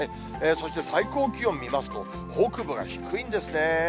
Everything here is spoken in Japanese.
そして最高気温見ますと、北部が低いんですね。